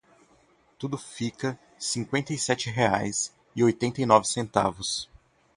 Tudo fica cinquenta e sete reais e oitenta e nove centavos.